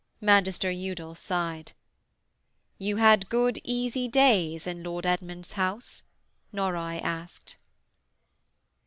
Magister Udal sighed. 'You had good, easy days in Lord Edmund's house?' Norroy asked.